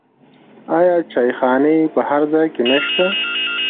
آیا چایخانې په هر ځای کې نشته؟